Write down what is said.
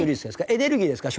エネルギーですか？